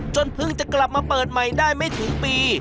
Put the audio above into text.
เพิ่งจะกลับมาเปิดใหม่ได้ไม่ถึงปี